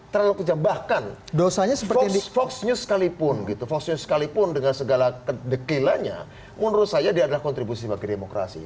terlalu kejam bahkan fox news sekalipun dengan segala kedekilannya menurut saya dia adalah kontribusi bagi demokrasi